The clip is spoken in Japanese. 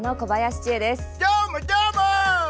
どーも、どーも！